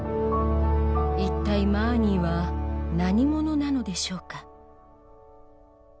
一体マーニーは何者なのでしょうか？